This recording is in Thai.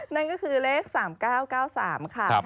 นั่นก็คือเลข๓๙๙๓ค่ะ